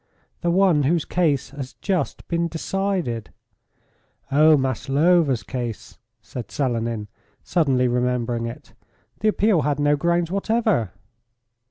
"The one whose case has just been decided." "Oh! Maslova's case," said Selenin, suddenly remembering it. "The appeal had no grounds whatever."